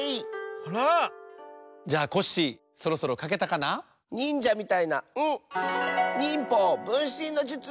あら！じゃあコッシーそろそろかけたかな？にんじゃみたいな「ん」！にんぽうぶんしんのじゅつ！